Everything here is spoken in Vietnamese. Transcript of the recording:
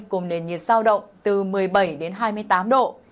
cùng nền nhiệt sao động từ một mươi bảy đến hai mươi tám độ